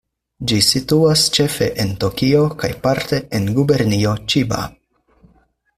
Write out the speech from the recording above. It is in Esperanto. Ĝi situas ĉefe en Tokio kaj parte en Gubernio Ĉiba.